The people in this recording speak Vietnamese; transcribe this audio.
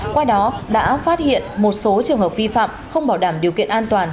qua đó đã phát hiện một số trường hợp vi phạm không bảo đảm điều kiện an toàn